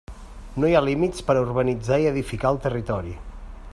No hi ha límits per a urbanitzar i edificar el territori.